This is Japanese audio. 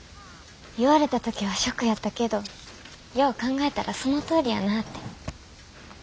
言われた時はショックやったけどよう考えたらそのとおりやなって。